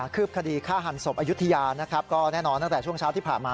คืบคดีฆ่าหันศพอายุทธิยาแน่นอนตั้งแต่ช่วงเช้าที่ผ่านมา